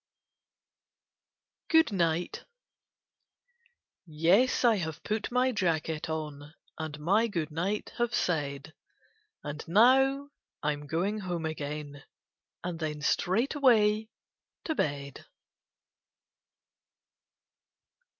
GOOD NIGHT Yes, I have put my jacket on, And my Good Night have said, And now I'm going home again. And then straightway to bed.